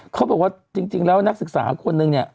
เขาบอกว่าจริงแล้วนักศึกษาคนนึงเนี่ย